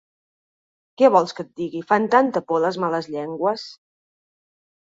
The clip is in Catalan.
Què vols que et digui! fan tanta por les males llengües!